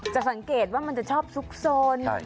สังเกตว่ามันจะชอบซุกซน